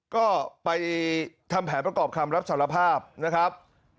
ก็ไปทำแผนประกอบคำรับสารภาพนะครับ